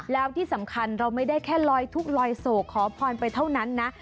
แล้วที่สำคัญเราไม่ได้แค่ลอยทุกข์ลอยโศกขอพรไปเท่านั้นนะ